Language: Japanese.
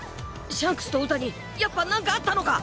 「シャンクスとウタにやっぱ何かあったのか？」